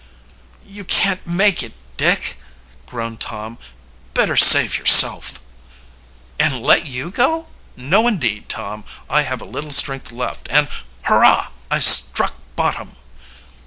"You can't make it, Dick," groaned Tom. "Better save yourself." "And let you go? No indeed, Tom. I have a little strength left and Hurrah, I've struck bottom!"